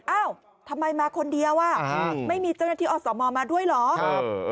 อ้าวทำไมมาคนเดียวอ่ะไม่มีเจ้าหน้าที่อสมมาด้วยเหรอ